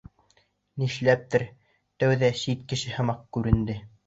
Нишләптер, тәүҙә сит кеше һымаҡ күренде.